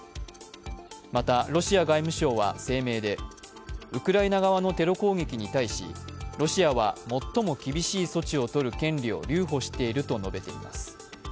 また、ロシア外務省は声明でウクライナ側のテロ攻撃に対しロシアは最も厳しい措置を取る権利を留保していると述べています。